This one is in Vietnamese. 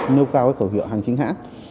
nêu cao cái khẩu hiệu hàng chính hãng